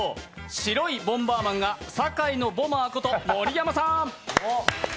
白いボンバーマンが堺の爆弾魔こと盛山さん。